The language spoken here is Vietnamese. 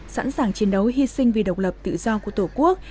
sẵn sàng chiến đấu hy sinh vì độc lập tự do của tổ quốc